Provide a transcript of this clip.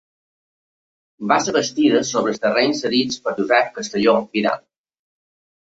Va ser bastida sobre els terrenys cedits per Josep Castelló Vidal.